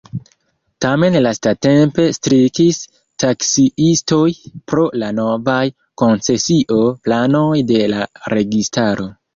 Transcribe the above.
Tamen lastatempe strikis taksiistoj pro la novaj koncesio-planoj de la registaro.